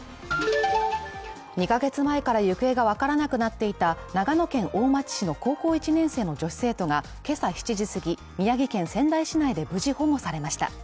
２か月前から行方が分からなくなっていた長野県大町市の高校１年生の女子生徒が今朝７時過ぎ、宮城県仙台市内で無事保護されました。